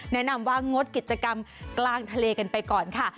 แนะนำว่างดกิจกรรมกลางทะเลกันไปก่อนค่ะ